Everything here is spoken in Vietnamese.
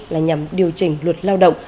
là nhằm điều chỉnh luật lao động